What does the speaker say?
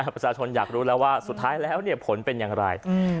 ประชาชนอยากรู้แล้วว่าสุดท้ายแล้วผลเป็นอย่างไร